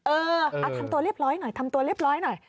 เออทำตัวเรียบร้อยหน่อย